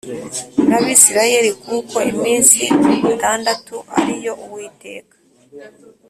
N abisirayeli kuko iminsi itandatu ari yo uwiteka